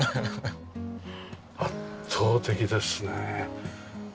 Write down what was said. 圧倒的ですね。